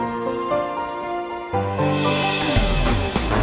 untung kau aja